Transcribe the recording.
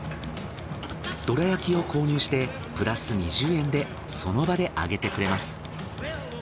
どら焼きを購入してプラス２０円でその場で揚げてくれます。